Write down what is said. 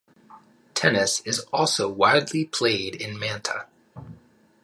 Tennis is also widely played in Manta.